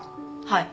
はい。